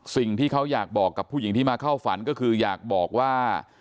สิ่งที่เขาอยากบอกกับผู้หญิงที่มาเข้าฝันก็คืออยากบอกว่า